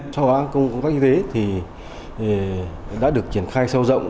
sau đó công tác y tế đã được triển khai sâu rộng